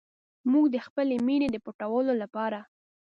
موږ د خپلې مینې د پټولو لپاره.